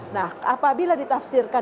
nah apabila ditafsirkan